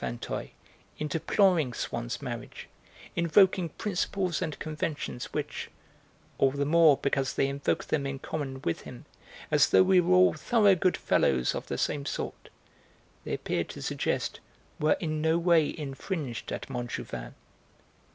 Vinteuil in deploring Swann's marriage, invoking principles and conventions which (all the more because they invoked them in common with him, as though we were all thorough good fellows of the same sort) they appeared to suggest were in no way infringed at Montjouvain.